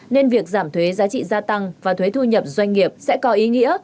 nên việc giảm thuế giá trị gia tăng và thuế thu nhập doanh nghiệp sẽ có ý nghĩa